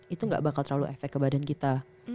itu gak bakal terlalu efek ke badan kita